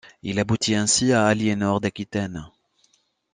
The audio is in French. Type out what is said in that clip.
Il aboutit ainsi à Aliénor d'Aquitaine.